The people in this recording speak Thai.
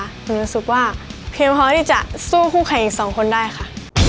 หนูรู้สึกว่าเพียงพอที่จะสู้คู่แข่งอีกสองคนได้ค่ะ